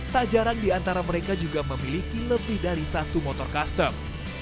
tak jarang di antara mereka juga memiliki lebih dari satu motor custom